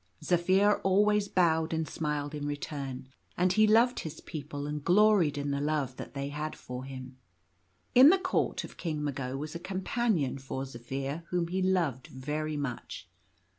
Zaphir always bowed and smiled in return; and he loved his people and gloried in the love that they had for him. In the Court of King Mago was a companion for Zaphir whom he loved very much.